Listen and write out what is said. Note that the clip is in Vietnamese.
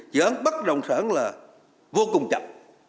dự án bắt rộng sản là vô cùng chậm